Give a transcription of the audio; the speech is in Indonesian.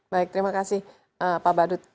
baik terima kasih pak badut